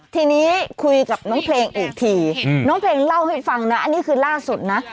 ทีนี้คุยกับน้องเพลงอีกทีน้องเพลงเล่าให้ฟังนะอันนี้คือล่าสุดนะ